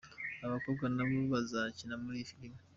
Aba bakobwa nabo bazakina muri iyi filime.